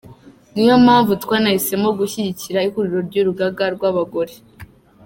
Ni yo mpamvu twanahisemo gushyigikira ihuriro ry’urugaga rw’abagore.